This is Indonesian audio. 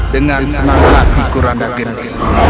dengan semangat tikur anda geng